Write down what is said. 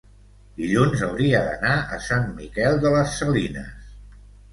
Dilluns hauria d'anar a Sant Miquel de les Salines.